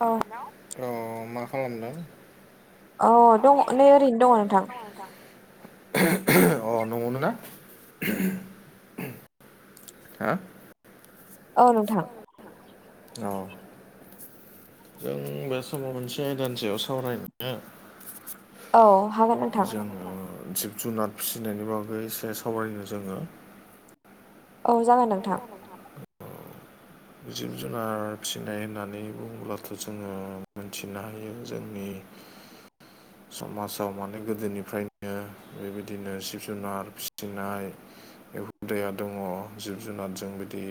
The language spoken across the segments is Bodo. औ हेलौ र' मा खालामदों औ दङ नै ओरैनो दङ नोंथां नोंथां अ न'आवनो ना हा औ नोंथां औ जों बे समाव मोनसे आयदानि सायाव सावरायनो औ मा होनदोंमोन जोङो जिब जुनार फिसिनायनि बागै एसे सावरायनो जोङो औ जागोन नोंथां जिब जुनार फिनाय होननानै बुङोब्लाथ' जोङो मोनथिनो हायो जोंनि [inaudible] समाजाव माने गोदोनिफ्रायनो बेबायदिनो जिब जुनार फिसिनाय बे हुदाया दङ जिब जुनारजों बिदि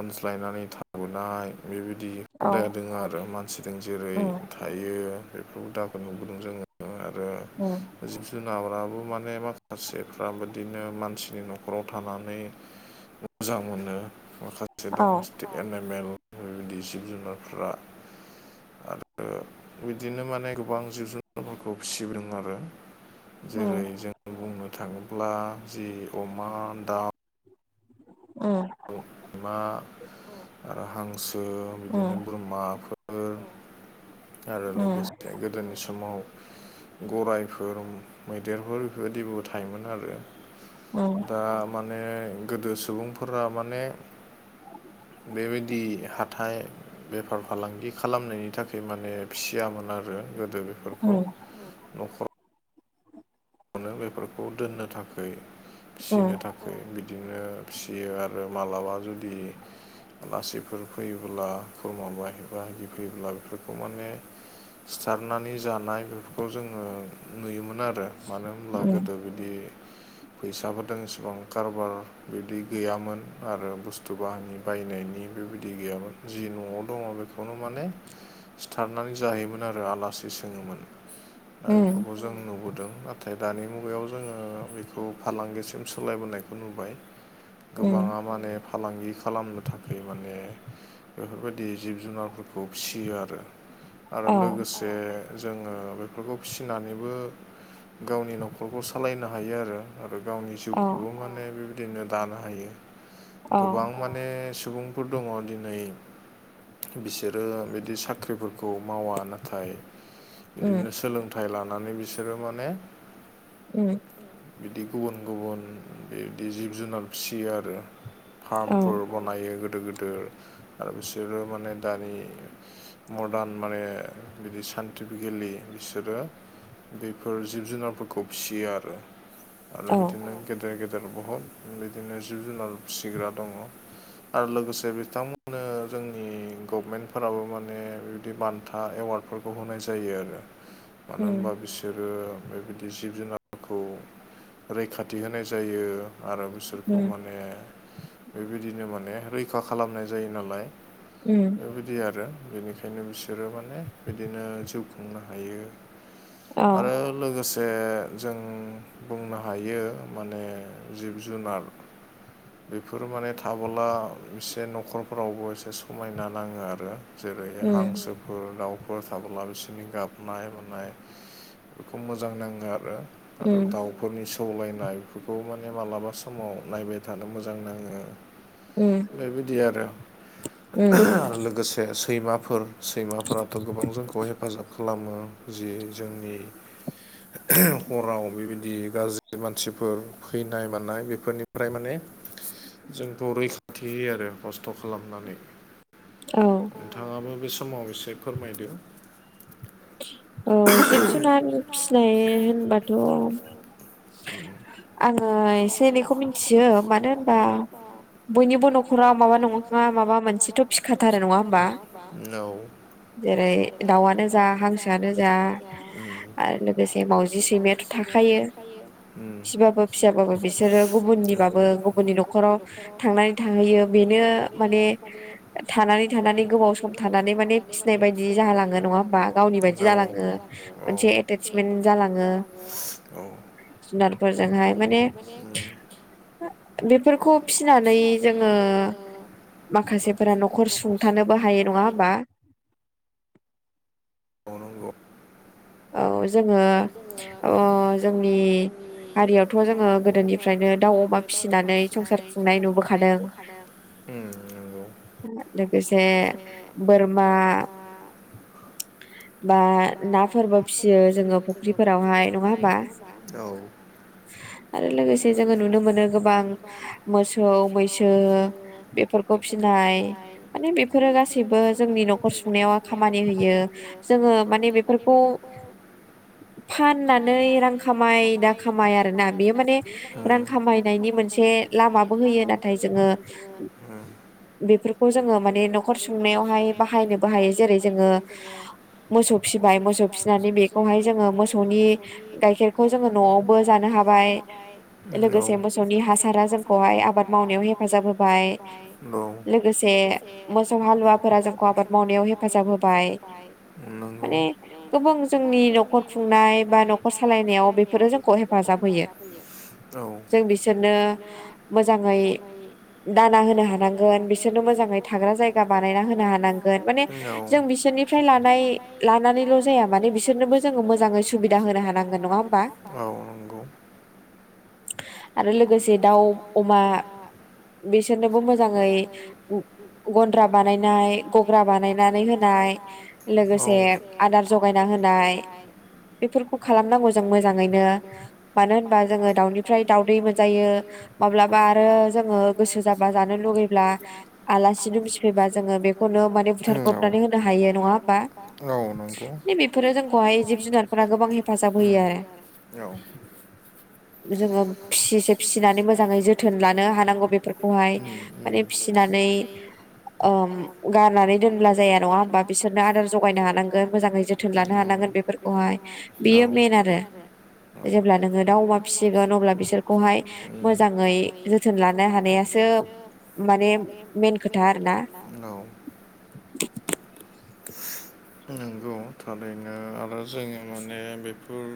अनज्लायनानै थाबोनाय बेबायदि हुदा दङ आरो मानसिजों जेरै थायो बेफोर दाबो नुबोदों जोङो आरो औ जिब जुनाराबो माने माखासेफ्रा बिदिनो मानसिनि न'खराव थानानै मोजां मोनो माखासे दं औ थिगएन एमेल बेबायदि जिब जुनारफ्रा आरो बिदिनो माने गोबां जिब जुनारफोरखौ फिसिबोदों आरो जेरै जों बुंनो थाङोब्ला जि अमा दाउ उम अमा आरो हांसो बिदिनो बोरमाफोर आरो लोगोसे गोदोनि समाव गराइफोर मैदेरफोर बेफोरबायदिबो थायोमोन आरो दा माने गोदो सुबुंफोरा माने बेबायदि हाथाइ बेफार फालांगि खालामनायनि थाखाय माने फिसियामोन आरो गोदो बेफोरखौ न'खर नो बेफोरखौ दोननो थाखाय फिनो थाखाय बिदिनो फियो आरो मालाबा जुदि आलासिफोर फैयोब्ला खुरमा बाय बाहागि फैयोब्ला बेफोरखौ माने सिथारनानै जानाय बेफोरखौ जोङो नुयोमोन आरो मानो होनब्ला गोदो बिदि बे फैसाफोरजों एसिबां कारबार बिदि गैयामोन आरो बुस्थु बाहायनो बायनायनि बेबायदि गैयामोन। जि न'आव दङ बेखौनो माने सिथारनानै जाहोयोमोन आरो आलासि सोङोमोन। दा बेखौबो जों नुबोदों नाथाय दानि मुगायाव जोङो बेखौ फालांगिसिम सोलायबोनायखौ नुबाय। गोबाङा माने फालांगि खालामनो थाखाय माने बेफोरबायदि जिब जुनारफोरखौ फिसियो आरो। आरो लोगोसे जोङो बेफोरखौ फिसिनानैबो गावनि न'खरखौ सालायनो हायो आरो। आरो गावनि जिउखौबो माने बे दिनो दानो हायो। गोबां माने सुबुंफोर दङ दिनै बिसोरो बिदि साख्रिफोरखौ मावा नाथाय बिदिनो सोलोंथाइ लानानै बिसोरो माने उम। बिदि गुबुन गुबुन बेबायदि जिब जुनार फिसियो आरो। फार्मफोर बनायो गोदो गोदोर आरो बिसोरो माने दानि मदार्न माने बिदि साइनटिफिकेलि बिसोरो बेफोर जि ब जुनारफोरखौ फियो आरो। आरो बिदिनो गेदेर गेदेर बहुद बिदिनो जिब जुनार फिसिग्रा दङ आरो लोगोसे बिथांमोननो जोंनि गभमेन्टफोराबो माने बिबायदि बान्था एवार्डफोरखौ होनाय जायो आरो। मानो होनबा बिसोरो बेबायदि जिब जुनारफोरखौ रैखाथि होनाय जायो आरो बिसोर खौ माने बेबायदिनो माने रैखा खालामनाय जायो नालाय। उम। बेबायदि आरो बेनिखायनो बिसोरो माने बिदिनो जिउ खुंनो हायो। आरो लोगोसे जों बुंनो हायो माने जिब जुनार बेफोरो माने थाबोला एसे न'खरफोरावबो एसे समायना नाङो आरो। जेरै हांसोफोर दाउफोर थाबोला बिसोरनि गाबनाय हनाय बेखौ मोजां नाङो आरो। आरो दाउ फोरनि सौलायनाय बेफोरखौ माने मालाबा समाव नायबाय थानो मोजां नाङो। बेबायदि आरो। लोगोसे सैमाफोर सैमाफोराथ' गोबां जोंखौ हेफाजाब खालामो जि जोंनि हराव बेबायदि गाज्रि मानसिफोर फैनाय मानाय बेफोरनिफ्राय माने जोंथ' रैखाथि होयो आरो खस्थ' खालामनानै। नोंथाङाबो बे समाव एसे फोरमायदो। औ जिब जुनार फिनाय होनबाथ' आङो एसे एनैखौ मिन्थियो मानो होनबा बयनिबो नखराव माबा नङा माबा मोनसेथ फिसिखाथारो। नङा होमबा? जेरै दावानो उम। फिसिबाबो फिसियाबाबो बिसोरो गुबुननिबाबो गुबुननि नखराव थांनाय थाहैयो बेनो माने थानानै थानानै गोबाव सम थानानै माने फिसिनाय बायदि जाहालाङो नङा होमबा। बा गावनि बायदि जालाङो मोनसे एतेत्समेन जालाङो। जुनारफोरजोंहाय माने बेफोरखौ फिनानै जोङो माखासेफोरा नखर सुंथानोबो हायो नङा होमबा। औ नोंगौ औ जोङो ओ जोंनि हारियावथ‌ जोङो गोदोनिफ्रायनो दाउ अमा फिसिनानै संसार खुंनाय नुबोखादों उम नंगौ। लोगोसे बोरमा बा ना नाफोरबो फिसियो जोङो फख्रिफोरावहाय नङा होमबा औ। आरो लोगोसे जोङो नुनो मोनो गोबां मोसौ मैसो बेफोर खौ फिनाय माने बेफोरो गासैबो जोंनि नखर सुंनायाव खामानि होयो। जोङो माने बेफोर खौ फाननानै रां खामाय दा खामाय आरोना बेयो माने रां खामायनायनि मोनसे लामाबो होयो नाथाय जोङो बेफोरखौ जोङो माने नखर सुंनायावहाय बाहायनोबो हायो जेरै जोङो मोसौ फि बाय मोसौ फिसिनानै बेखौहाय जोङो मोसौनि गाइखेरखौ जोङो नआवबो जानो हाबाय। ओमफाय औ लोगोसे मोसौनि हासारा जोंखौहाय आबाद मावनायाव हेफाजाब होबाय औ। मोसौ हालुवाफोरा जोंखौ आबाद मावनायाव हेफाजाब होबाय माने गोबां जोंनि नखर खुंनाय बा नखर सालायनायाव बेफोरो जोंखौ हेफाजाब होयो। होयो। जों बिसोरनो मोजाङै दाना होनो हानांगोन बिसोरनो मोजाङै थाग्रा जायगा बानायना होनो हानांगोन माने जों बिसोरनि फ्राय लानाय लानानैल जों जाया माने बिसोरनोबो जोङो मोजाङै सुबिदा होनो हांगोन नङा होमबा? आरो लोगोसे दाउ अमा बिसोरनोबो मोजाङै गन्द्रा बानायनाय गग्रा बानायनानै होनाय लोगोसे आदार जगायना होनाय बेफोरखौ खालामनांगौ जों मोजाङैनो मानो होनबा जोङो दाउनिफ्राय दाव दावदै मोनजायो माब्लाबा आरो जोङो गोसो जाबा जानो लुगैब्ला आलासि दुमसि फैबा जोङो बेखौनो माने बुथारब्रबनानै होनो हायो नङा होमबा? ने बेफोरो जोंखौहाय जिब जुनारफोरा गोबां हेफाजाब होयो आरो। जोङो फिसिसे फिसिनानै मोजाङै जोथोन लानो हानांगौ बेफोरखौहाय माने [unintelligible] फिसिनानै ओम गारनानै दोनब्ला जाया नङा होमबा बिसोरनो आदार जगायनो हानांगो गोन मोजाङै जोथोन लानो हानांगोन बेफोरखौहाय बियो मेन आरो। जेब्ला नोङो दाउ अमा फिसिगोन अब्ला बिसोरखौहाय मोजाङै जोथोन लानो हानायासो माने मान खोथा आरो ना। औ। नांगौ थारैनो आरो जोङो माने बेफोर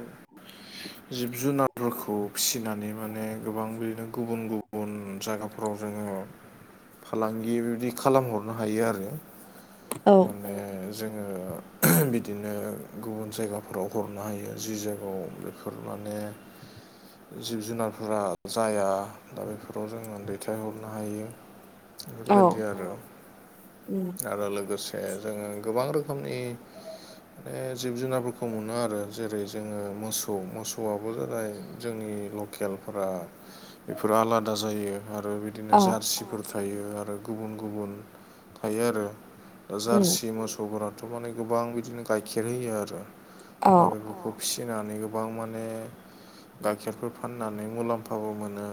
जिब जुनारफोरखौ फिसिनानै माने गोबां बिदिनो गुबुन गुबुन जायगाफोराव जोङो फालांगि बिदि खालामहरनो हायो आरो। औ। ओ जोङो बिदिनो गुबुन जायगाफोराव हरनो हायो जि जायगायाव फोर माने जिब जुनारफोरा जाया दा बेफोराव जोङो दैथायहरनो हायो। बेफोरबायदि आरो। उम। आरो लोगोसे जोङो गोबां रोखोमनि माने जिब जुनारफोरखौ मोनो आरो जेरै जोङो मोसौ मोसौआबो जेरै जोंनि ल खेलफोरा बेफोरो आलादा जायो आरो बिदिनो जार्सिफोर थायो आरो गुबुन गुबुन थायो आरो दा जारसि मोसौफोराथ' माने गोबां बिदिनो गाइखेर होयो आरो। दा बेफोरखौ फिसिनानै गोबां माने गाइखेरफोर फाननानै मुलाम्फाबो मोनो।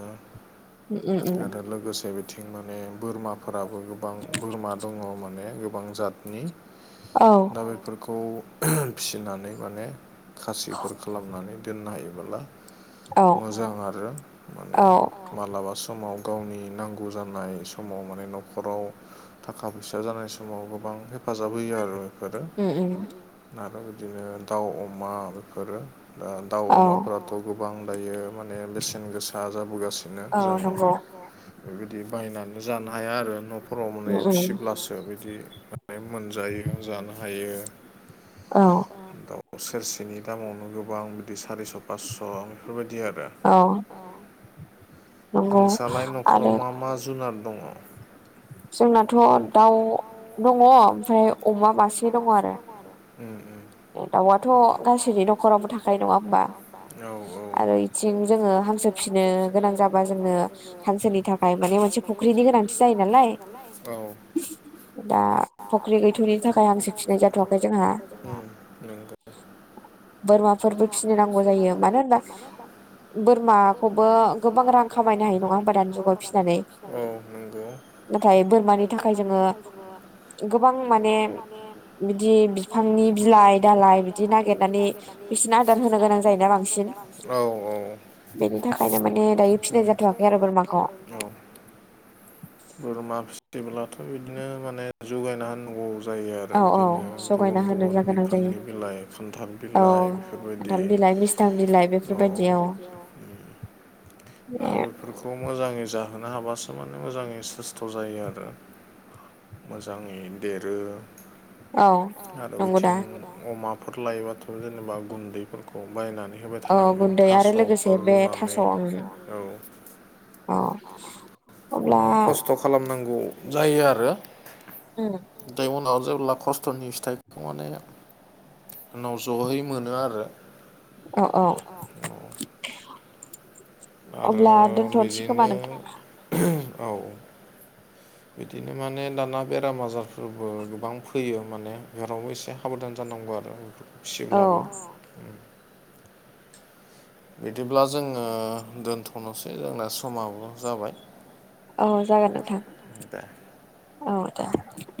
आरो लोगोसे बिथिं माने बोरमाफोराबो गोबां बोरमा दङ माने गोबां जातनि औ दा बेफोरखौ फिसिनानै माने खासिफोर खालामनानै दोननो हायोबोला मोजां आरो माने माबलाबा समाव गावनि नांगौ जानाय समाव माने न'खराव थाखा फैसा जानाय समाव गोबां हेफाजाब होयो आरो बेफोरो। उम उम आरो बिदिनो दाउ अमा बेफोरो ओ दाउ अमाफोराथ' गोबां दायो माने बेसेन गोसा जाबोगासिनो जों बेबायदि बायनानै जानो हाया आरो न'फोराव माने गोसो बिदि माने मोनजायो जानो हायो। औ। दाउ सेरसेनि दामावनो गोबां बिदि सारिस' फास्स' बेफोरबायदि आरो। औ। नोंसालाय न'खराव मा मा जुनार दङ? जोंनाथ' दाउ दङ ओमफ्राय अमा मासे दङ आरो। दाउआथ' गासैनि न'खरावबो थाखायो नङा होमबा। आरो इथिं जोङो हांसो फिनो गोनां जाबा जोंनो हांसोनि थाखाय माने मोनसे फुख्रिनि गोनांथि जायो नालाय। औ। दा फख्रि गैथ'यैनि थाखाय हांसो फिसिनाय जाथ'वाखै जोंहा। बोरमाफोरबो फिसिनो नांगौ जायो मानो होनबा बोरमाखौबो गोबां रां खामायनो हायो नङा होनोमबा दानि जुगाव फिसिनानै। ओ नंगौ। नाथाय बोरमानि थाखाय जोङो गोबां माने बिदि बिफांनि बिलाइ दालाय बिदि नागिरनानै बिसिना बिसिना आदार होनो गोनां जायो ना औ औ। बेनि थाखायनो माने दायो फिसिनाय जाथ'वाखै आरो बोरमाखौ। औ। बोरमा फिस्थिबोलाथ' बिदिनो माने जगायना होनांगौ। जायो आरो बिदिनो गुबुन गुबुन बिफांनि बिलाइ खान्थाल बिलाइ बेफोरबायदि औ। आरो बेफोरखौ मोजांङै जाहोनो हाबासो माने मोजांङै सेस्थ' जायो आरो। मोजांङै देरो। आरो बिथिं अमाफोर लायोबाथ' जेनेबा गुन्दैफोरखौ बायनानै होबाय थानांगोन थास'फोर रुनानै। औ अब्ला खालामनांगौ जायो आरो। उम। दै उनाव जेब्ला खस्थ'नि फिथाइखौ माने उनाव जहै मोनो आरो। औ औ अब्ला दोनथ'नोसै खोमा नोंथां। औ। बिदिनो माने दाना बेराम आजारफोरबो गोबां फैयो माने जेरावबो एसे साबधान जानांगौ आरो फिसिब्लाबो बिदिब्ला जोंङो दोनथ'नोसै जोंना समाबो जाबाय। औ जागोन नोंथां औ दे।